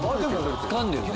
つかんでるね。